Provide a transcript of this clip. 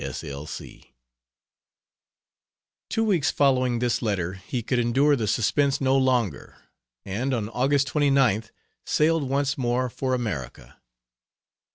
S. L. C. Two weeks following this letter he could endure the suspense no longer, and on August 29th sailed once more for America.